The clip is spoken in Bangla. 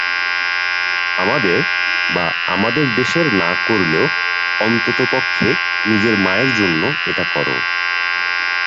আমাদের বা আমাদের দেশের না করলেও, অন্ততপক্ষে নিজের মায়ের জন্য এটা করো!